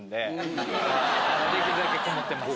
できるだけこもってます。